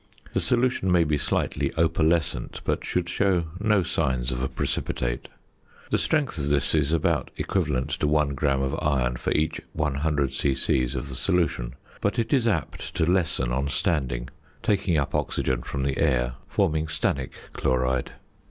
The solution may be slightly opalescent, but should show no signs of a precipitate. The strength of this is about equivalent to 1 gram of iron for each 100 c.c. of the solution, but it is apt to lessen on standing, taking up oxygen from the air, forming stannic chloride.